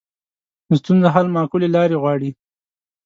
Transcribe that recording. د ستونزو حل معقولې لارې غواړي